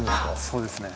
そうですね。